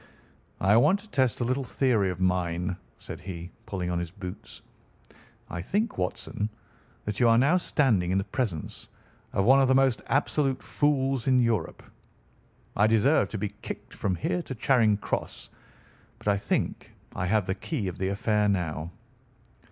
"I want to test a little theory of mine," said he, pulling on his boots. "I think, Watson, that you are now standing in the presence of one of the most absolute fools in Europe. I deserve to be kicked from here to Charing Cross. But I think I have the key of the affair now."